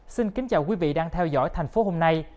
xin kính chào quý vị đang theo dõi thành phố hôm nay